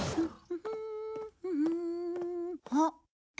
あっ！